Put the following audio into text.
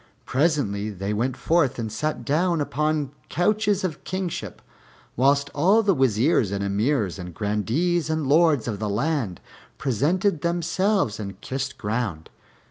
Presently they went forth and sat down upon couches of kingship, whilst all the Wazirs and Emirs and Grandees and Lords of the land presented themselves and kissed ground.